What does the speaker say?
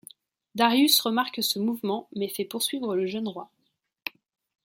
Darius remarque ce mouvement mais fait poursuivre le jeune roi.